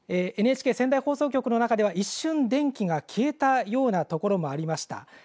ＮＨＫ仙台放送局の中では一瞬電気が消えたようなところもありました。